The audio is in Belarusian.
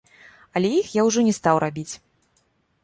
Але іх я ўжо не стаў рабіць.